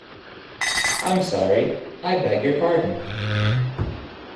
I'm sorry. I beg your pardon.